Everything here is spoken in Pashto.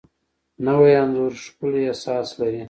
نوی انځور ښکلی احساس لري